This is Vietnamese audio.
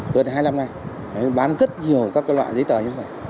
rồi đến hai năm nay bán rất nhiều các loại giấy tờ như thế này